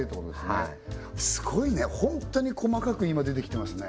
はいすごいねホントに細かく今出てきてますね